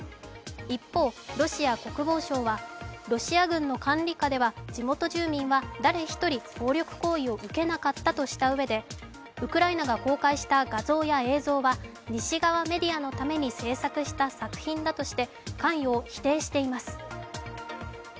一方、ロシア国防省は、ロシア軍の管理下では地元住民は誰一人、暴力行為を受けなかったとしたうえでウクライナが公開した画像や映像は西側メディアのために制作した作品だとして関与を否定しています。